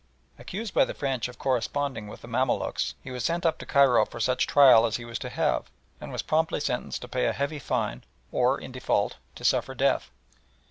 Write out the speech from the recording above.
Accused by the French of corresponding with the Mamaluks, he was sent up to Cairo for such trial as he was to have, and was promptly sentenced to pay a heavy fine or, in default, to suffer death.